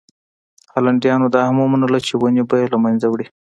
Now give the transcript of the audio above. هالنډیانو دا هم ومنله چې ونې به یې له منځه وړي.